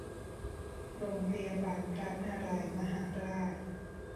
โรงพยาบาลพระนารายณ์มหาราช